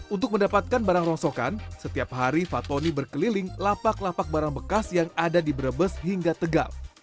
untuk mendapatkan barang rongsokan setiap hari fatoni berkeliling lapak lapak barang bekas yang ada di brebes hingga tegal